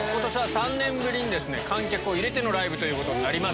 ３年ぶりに観客を入れてのライブということになります。